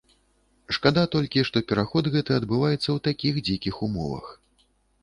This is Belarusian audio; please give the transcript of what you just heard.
Шкада толькі, што пераход гэты адбываецца ў такіх дзікіх умовах.